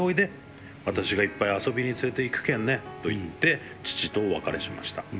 私がいっぱい遊びに連れていくけんねと言って父とお別れしました。